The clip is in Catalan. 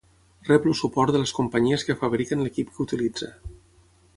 Rep el suport de les companyies que fabriquen l'equip que utilitza.